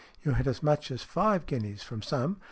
You had as much as five guineas from some.